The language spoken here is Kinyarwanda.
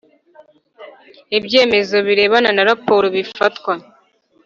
Ibyemezo birebana na raporo bifatwa